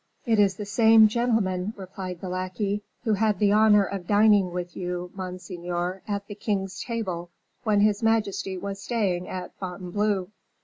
"It is the same gentleman," replied the lackey, "who had the honor of dining with you, monseigneur, at the king's table, when his majesty was staying at Fontainebleau."